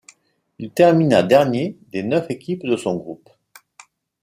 Il termina dernier des neuf équipes de son groupe.